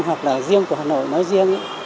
hoặc là riêng của hà nội nói riêng